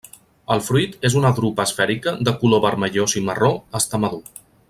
El fruit és una drupa esfèrica de color vermellós i marró està madur.